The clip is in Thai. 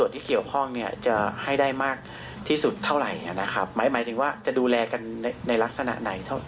ที่สุดเท่าไหร่นะครับหมายถึงว่าจะดูแลกันในลักษณะไหน